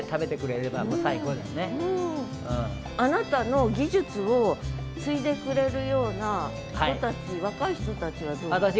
あなたの技術を継いでくれるような人たち若い人たちはどう？